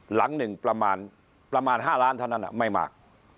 หลังหนึ่งประมาณ๕ล้านเท่านั้นไม่มาก